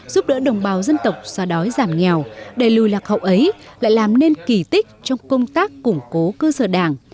giúp đỡ đồng bào dân tộc xóa đói giảm nghèo đẩy lùi lạc hậu ấy lại làm nên kỳ tích trong công tác củng cố cơ sở đảng